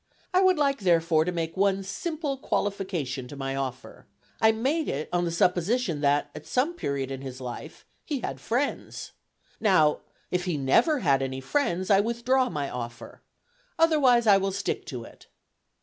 "I would like, therefore, to make one simple qualification to my offer, I made it on the supposition that, at some period of his life, he had friends. Now if he never had any friends, I withdraw my offer; otherwise, I will stick to it."